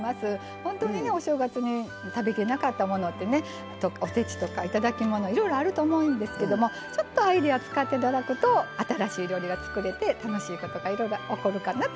本当にねお正月に食べきれなかったものってねおせちとか頂き物いろいろあると思うんですけどもちょっとアイデアを使って頂くと新しい料理が作れて楽しいことがいろいろ起こるかなと思います。